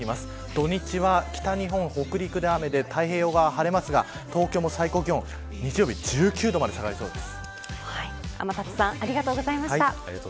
土日は北日本、北陸で雨で太平洋側は晴れますが東京側も最高気温は１９度まで下がります。